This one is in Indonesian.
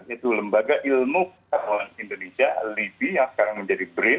yaitu lembaga ilmu keperluan indonesia libi yang sekarang menjadi brin